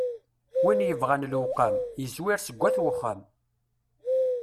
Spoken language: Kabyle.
Win yebɣan lewqam, yezwir seg at wexxam.